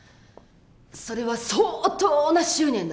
それは相当な執念だ。